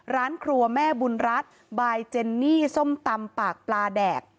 ร้านครัวแม่บุญรัฐบายเจนนี่ส้มตำปากปลาแดก